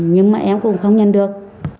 nhưng mà em cũng không nhận được